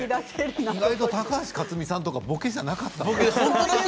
意外と高橋克実さんとかぼけじゃなかったのね。